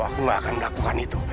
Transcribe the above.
aku gak akan melakukan itu